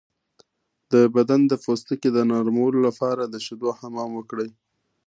د بدن د پوستکي د نرمولو لپاره د شیدو حمام وکړئ